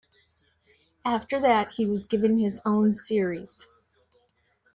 After that he was given his own series.